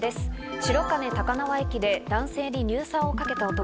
白金高輪駅で男性に硫酸をかけた男。